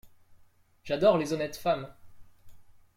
J’adore les honnêtes femmes !…